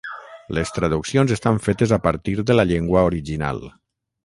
Les traduccions estan fetes a partir de la llengua original.